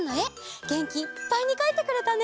げんきいっぱいにかいてくれたね。